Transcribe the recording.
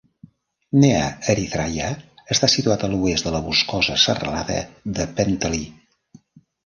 Nea Erythraia està situat a l'oest de la boscosa serralada de Penteli.